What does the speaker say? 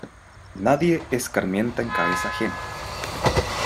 Nadie escarmienta en cabeza ajena.